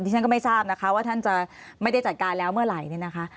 ฉันก็ไม่ทราบนะคะว่าท่านจะไม่ได้จัดการแล้วเมื่อไหร่เนี่ยนะคะ